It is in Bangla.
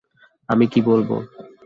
আমি কী বলব?